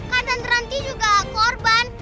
kan tante ranti juga korban